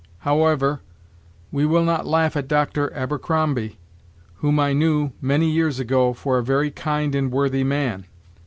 However, we will not laugh at Doctor Abercrombie, whom I knew, many years ago, for a very kind and worthy man.